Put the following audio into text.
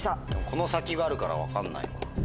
この先があるから分かんないわ。